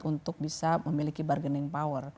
untuk bisa memiliki bargaining power